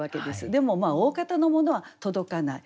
でもおおかたのものは届かない。